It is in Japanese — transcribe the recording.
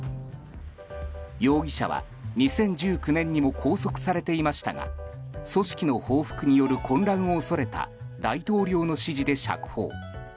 容疑者は２０１９年にも拘束されていましたが組織の報復による混乱を恐れた大統領の指示で釈放。